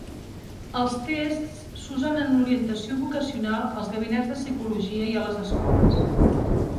Els tests s'usen en l'orientació vocacional als gabinets de psicologia i a les escoles.